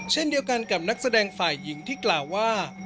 เช่นเดียวกันกับนักแสดงฝ่ายหญิงที่กล่าวว่า